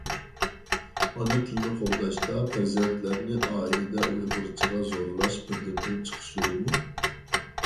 ئانا تىلنى قوغداشتا پەرزەنتلەرنى ئائىلىدە ئۇيغۇرچىغا زورلاش بىردىنبىر چىقىش يولىمۇ؟